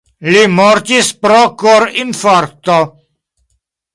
Li mortis pro korinfarkto.